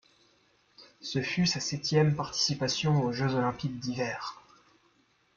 Ce fut sa septième participation aux Jeux olympiques d'hiver.